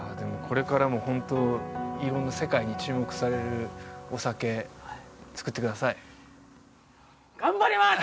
これからもホント色んな世界に注目されるお酒造ってください頑張ります！